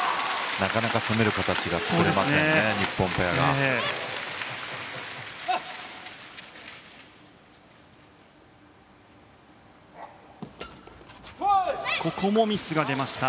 なかなか日本ペア攻める形が作れません。